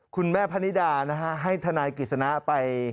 คุณแม่พะนิดานะฮะให้ทนายกิจสนาไป